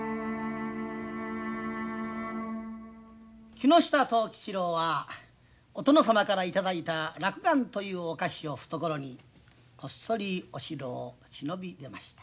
木下藤吉郎はお殿様から頂いた落雁というお菓子を懐にこっそりお城を忍び出ました。